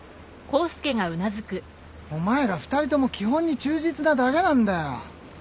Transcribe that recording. お前ら二人とも基本に忠実なだけなんだよ。